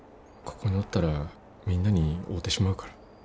ここにおったらみんなに会うてしまうから。